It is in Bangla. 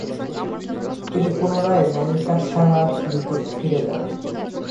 তিনি পুনরায় ল্যাঙ্কাশায়ার লীগে ফিরে যান।